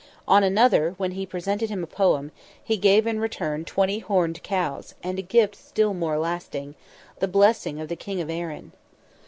On another, when he presented him a poem, he gave in return twenty horned cows, and a gift still more lasting, "the blessing of the King of Erin."